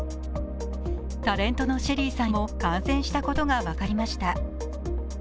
タレントのＳＨＥＬＬＹさんも感染したことが分かりました。